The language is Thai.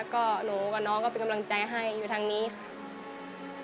ก็หนูกับน้องก็เป็นกำลังใจให้อยู่ทางนี้ค่ะ